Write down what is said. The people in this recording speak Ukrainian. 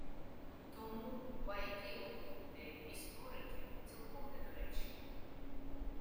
Тому «байки-облуди» істориків цілком недоречні